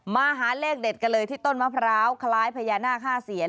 มาหาเลขเด็ดกันเลยที่ต้นมะพร้าวคล้ายพญานาค๕เซียน